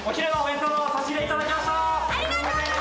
ありがとうございます。